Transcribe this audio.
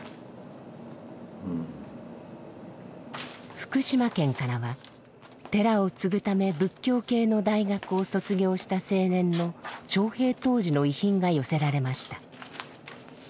福島県からは寺を継ぐため仏教系の大学を卒業した青年の徴兵当時の遺品が寄せられました。